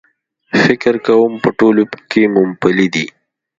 فکر کوم په ټولو کې مومپلي دي.H